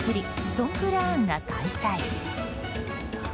ソンクラーンが開催。